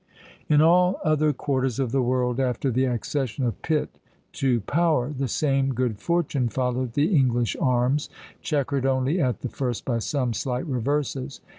In all other quarters of the world, after the accession of Pitt to power, the same good fortune followed the English arms, checkered only at the first by some slight reverses.